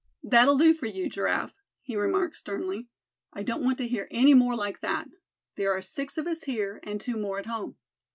"That'll do for you, Giraffe," he remarked sternly. "I don't want to hear any more like that. There are six of us here, and two more at home.